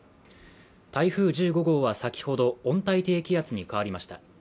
台風１５号は先ほど温帯低気圧に変わりました